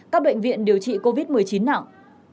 các bệnh viện điều trị covid một mươi chín nặng